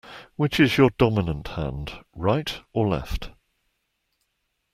Which is your dominant hand, right or left?